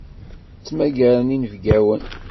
Ttmagaren inebgawen.